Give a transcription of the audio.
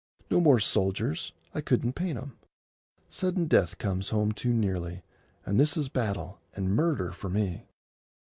"No more soldiers. I couldn't paint 'em. Sudden death comes home too nearly, and this is battle and murder for me."